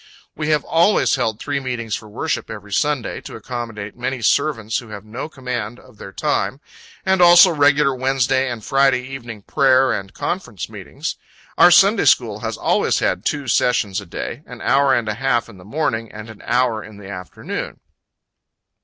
We have always held three meetings for worship every Sunday, to accommodate many servants, who have no command of their time, and also regular Wednesday and Friday evening prayer and conference meetings. Our Sunday school has always had two sessions a day an hour and a half in the morning, and an hour in the afternoon.